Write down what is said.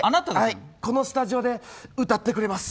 このスタジオで歌ってくれます。